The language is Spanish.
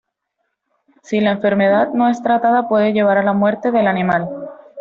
Si la enfermedad no es tratada, puede llevar a la muerte del animal.